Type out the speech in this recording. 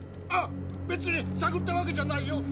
あっべつにさぐったわけじゃないよ。